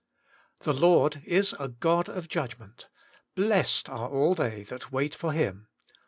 The Lord is a God of judgment : blessed are all they that wait for Him.'